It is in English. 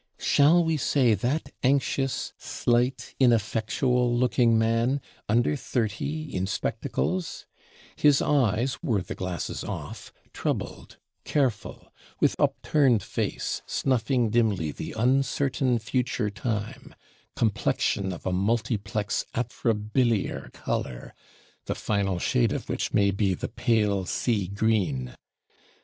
Shall we say that anxious, slight, ineffectual looking man, under thirty, in spectacles; his eyes (were the glasses off) troubled, careful; with upturned face, snuffing dimly the uncertain future time; complexion of a multiplex atrabiliar color, the final shade of which may be the pale sea green.